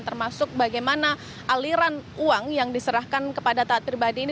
termasuk bagaimana aliran uang yang diserahkan kepada taat pribadi ini